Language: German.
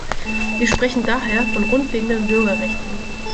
Wir sprechen daher von grundlegenden Bürgerrechten.